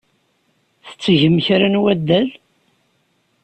Tettgem kra n waddal?